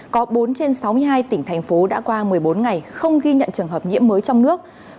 có bốn trên sáu mươi hai tỉnh thành phố đã qua một mươi bốn ngày không ghi nhận trường hợp nhiễm mới trong nước